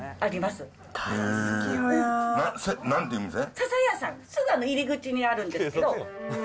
すぐ入り口にあるんですけど。